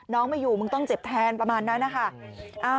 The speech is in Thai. ไม่อยู่มึงต้องเจ็บแทนประมาณนั้นนะคะ